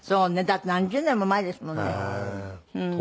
だって何十年も前ですもんね。